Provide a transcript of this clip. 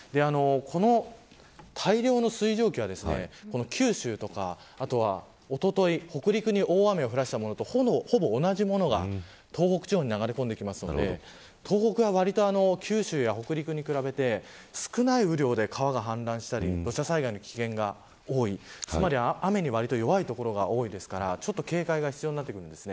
この大量の水蒸気は、九州とかおととい、北陸に大雨を降らしたものとほぼ同じものが東北地方に流れ込んでくるので東北は九州や北陸に比べて少ない雨量で川が氾濫したり土砂災害の危険が多い雨に弱い所が多いですから警戒が必要になってきます。